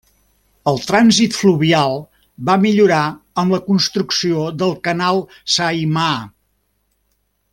El trànsit fluvial va millorar amb la construcció del Canal Saimaa.